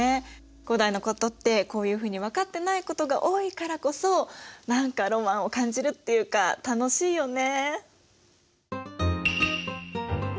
古代のことってこういうふうに分かってないことが多いからこそ何かロマンを感じるっていうか楽しいよね。